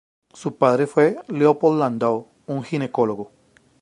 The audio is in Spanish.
Su padre fue Leopold Landau, un ginecólogo.